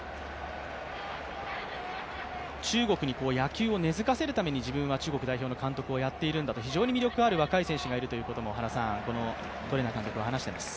中国に野球を根づかせるために自分は中国代表監督をやっているんだと非常に魅力ある若い選手がいるということもトレーナー監督は話しています。